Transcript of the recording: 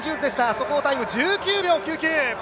速報タイム１９秒９９。